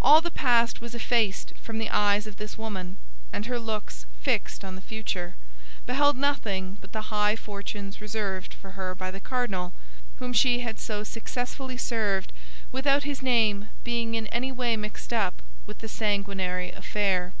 All the past was effaced from the eyes of this woman; and her looks, fixed on the future, beheld nothing but the high fortunes reserved for her by the cardinal, whom she had so successfully served without his name being in any way mixed up with the sanguinary affair.